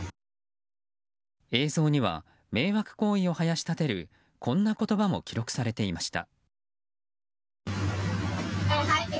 映像には迷惑行為をはやし立てるこんな言葉も記録されていました。